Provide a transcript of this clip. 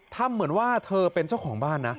ทำเหมือนว่าเธอเป็นเจ้าของบ้านนะ